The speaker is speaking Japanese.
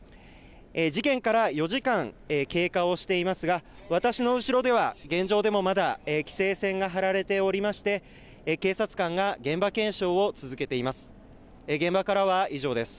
事件から４時間経過をしていますが私の後ろでは、現状でもまだ規制線が張られておりまして警察官が現場検証を続けています。